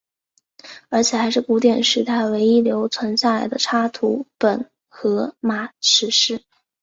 而且还是古典时代唯一留存下来的插图本荷马史诗。